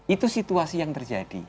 itu situasi yang terjadi